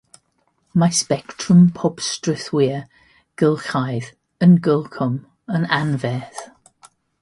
Mae sbectrwm pob strwythur glycaidd - y glycom - yn anferth.